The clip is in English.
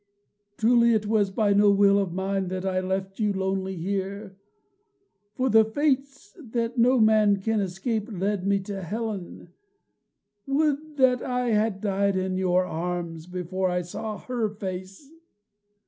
Truly it was by no will of mine that I left you lonely here, for the Fates that no man may escape led me to Helen. Would that I had died in your arms before I saw her face!